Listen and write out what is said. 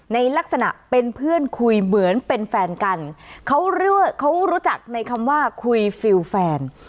ในลักษณะเป็นเพื่อนคุยเหมือนเป็นแฟนกันเขาเรียกว่าเขารู้จักในคำว่าคุยฟิลแฟน